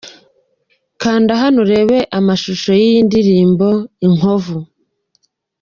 Kanda hano urebe amashusho y'iyi ndirimbo 'Inkovu' .